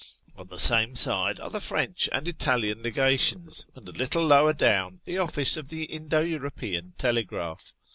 On the same side are the French and Italian Legations, and a little lower down the office of the Indo European Telegraph.